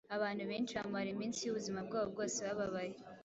Abantu benshi bamara iminsi y’ubuzima bwabo bwose bababaye